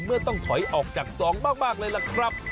ต้องถอยออกจากซองมากเลยล่ะครับ